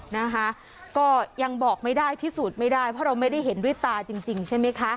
นะคะก็ยังบอกไม่ได้พิสูจน์ไม่ได้เพราะเราไม่ได้เห็นด้วยตาจริงจริงใช่ไหมคะ